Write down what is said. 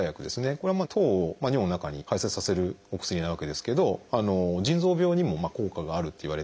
これは糖を尿の中に排せつさせるお薬なわけですけど腎臓病にも効果があるっていわれてまして。